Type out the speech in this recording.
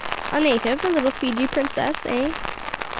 A native a little Fiji princess eh?"